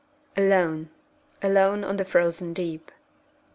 Alone! alone on the Frozen Deep!